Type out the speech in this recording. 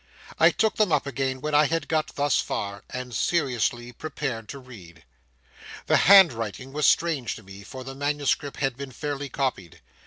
I took them up again when I had got thus far, and seriously prepared to read. The handwriting was strange to me, for the manuscript had been fairly copied.